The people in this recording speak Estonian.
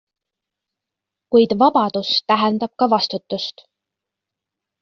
Kuid vabadus tähendab ka vastutust.